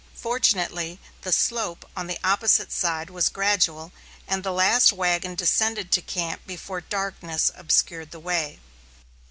Fortunately, the slope on the opposite side was gradual and the last wagon descended to camp before darkness obscured the way.